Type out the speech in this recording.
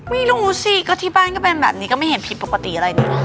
ไม่รู้สิก็ที่บ้านก็เป็นแบบนี้ก็ไม่เห็นผิดปกติอะไรนี่